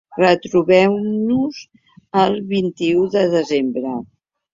Retrobem-nos el vint-i-u de desembre.